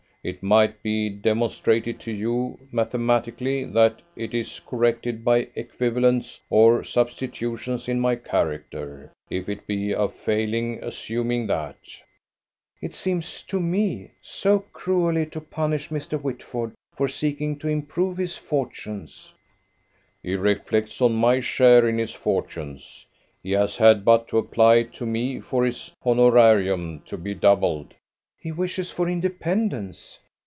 It might be demonstrated to you mathematically that it is corrected by equivalents or substitutions in my character. If it be a failing assuming that." "It seems one to me: so cruelly to punish Mr. Whitford for seeking to improve his fortunes." "He reflects on my share in his fortunes. He has had but to apply to me for his honorarium to be doubled." "He wishes for independence."